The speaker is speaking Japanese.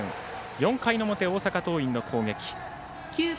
４回の表、大阪桐蔭の攻撃。